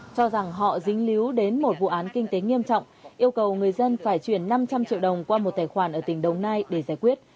cho rằng họ dính líu đến một vụ án kinh tế nghiêm trọng yêu cầu người dân phải chuyển năm trăm linh triệu đồng qua một tài khoản ở tỉnh đồng nai để giải quyết